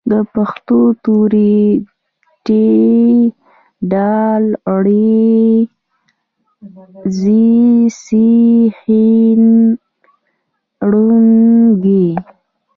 د پښتو توري: ټ، ډ، ړ، ځ، څ، ښ، ڼ، ږ